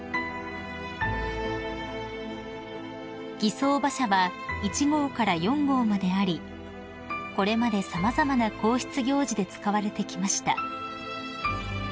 ［儀装馬車は１号から４号までありこれまで様々な皇室行事で使われてきました］